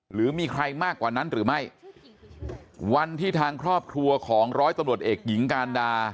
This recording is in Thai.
หรือมีใครมากกว่านั้นหรือไม่วันที่ทางครอบครัวของร้อยตำรวจเอกหญิงการดา